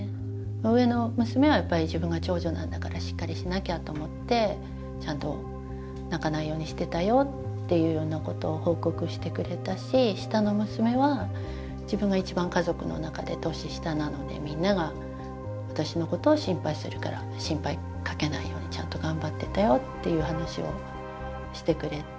上の娘はやっぱり自分が長女なんだからしっかりしなきゃと思ってちゃんと泣かないようにしてたよっていうようなことを報告してくれたし下の娘は自分が一番家族の中で年下なのでみんなが私のことを心配するから心配かけないようにちゃんと頑張ってたよっていう話をしてくれて。